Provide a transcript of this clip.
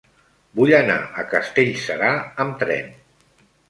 Vull anar a Castellserà amb tren.